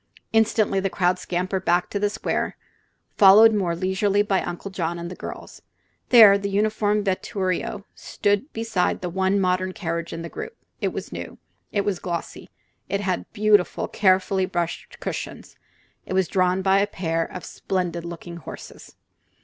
Instantly the crowd scampered back to the square, followed more leisurely by Uncle John and the girls. There the uniformed vetturio stood beside the one modern carriage in the group. It was new; it was glossy; it had beautiful, carefully brushed cushions; it was drawn by a pair of splendid looking horses.